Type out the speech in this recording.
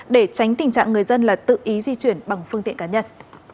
để tránh tình trạng người dân là tự ý di chuyển bằng phương tiện cá nhân